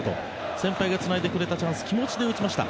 先輩がつないだチャンス気持ちで打ちました